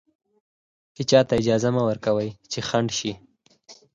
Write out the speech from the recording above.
هېچا ته اجازه مه ورکوئ چې خنډ شي.